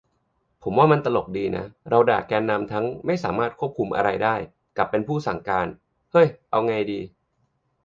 ผมว่ามันตลกดีนะ เราด่าแกนนำทั้ง "ไม่สามารถควบคุมอะไรได้" กับ "เป็นผู้สั่งการ" เฮ้ย เอาไงดี